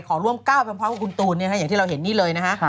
ขอร่วมก้าวพร้อมกับคุณตูนอย่างที่เราเห็นนี่เลยนะฮะ